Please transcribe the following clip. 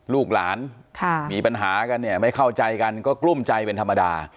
ลูกหลานมีปัญหากันเนี่ยไม่เข้าใจกันก็กลุ้มใจเป็นธรรมดา